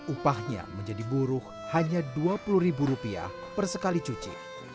upahnya menjadi buruh hanya dua puluh ribu rupiah per sekali cuci